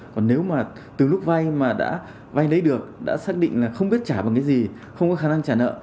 còn nếu mà từ lúc vay mà đã vay lấy được đã xác định là không biết trả bằng cái gì không có khả năng trả nợ